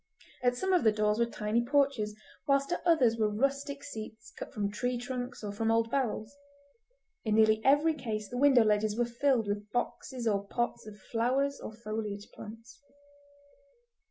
At some of the doors were tiny porches, whilst at others were rustic seats cut from tree trunks or from old barrels; in nearly every case the window ledges were filled with boxes or pots of flowers or foliage plants.